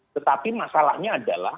tetapi masalahnya adalah